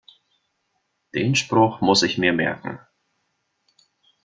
Den Spruch muss ich mir merken.